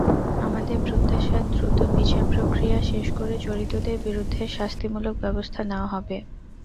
আমাদের প্রত্যাশা, দ্রুত বিচার-প্রক্রিয়া শেষ করে জড়িতদের বিরুদ্ধে শাস্তিমূলক ব্যবস্থা নেওয়া হবে।